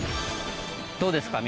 どうですか？